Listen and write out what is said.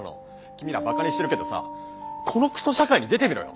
君らバカにしてるけどさこのクソ社会に出てみろよ！